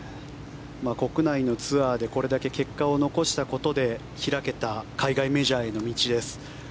国内のツアーでこれだけ結果を残したことで開けた海外メジャーへの道です。